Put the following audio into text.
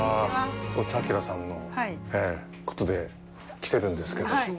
大津あきらさんのことで来てるんですけど。